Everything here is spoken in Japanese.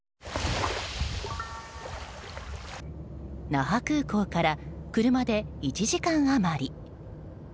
那覇空港から車で１時間余り。